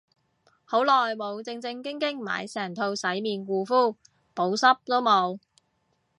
好耐冇正正經經買成套洗面護膚，補濕都冇